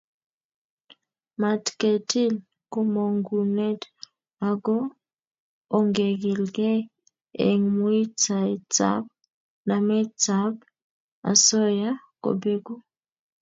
Matketil komongunet ako ongegilkei eng muitaetab nametab osoya kobeku